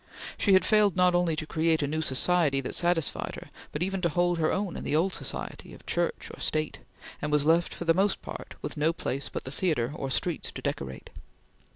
She had failed not only to create a new society that satisfied her, but even to hold her own in the old society of Church or State; and was left, for the most part, with no place but the theatre or streets to decorate.